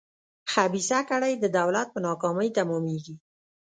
خبیثه کړۍ د دولت په ناکامۍ تمامېږي.